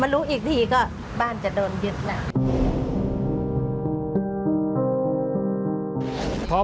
มันรู้อีกทีก็บ้านจะโดนยึดหน่า